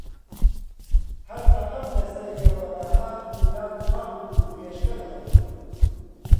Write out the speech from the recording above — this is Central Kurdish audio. هەر تەقەم لە سەریەوە دەهات و لام وا بوو برێشکە دەخۆن